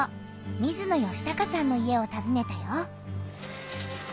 水野嘉孝さんの家をたずねたよ。